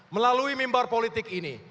melalui mimbar politik ini